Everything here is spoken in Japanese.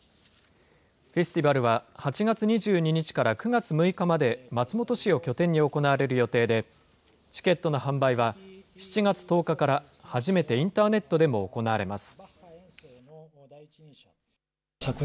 フェスティバルは８月２２日から９月６日まで、松本市を拠点に行われる予定で、チケットの販売は、７月１０日から、初めてインターネットでも行われます。